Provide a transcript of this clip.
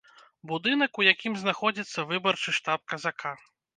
Будынак, у якім знаходзіцца выбарчы штаб казака.